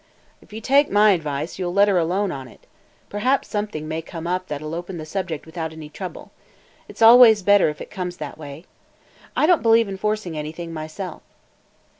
"If you take my advice you 'll let her alone on it. Perhaps something may come up that 'll open the subject without any trouble. It 's always better if it comes that way. I don't believe in forcing anything myself."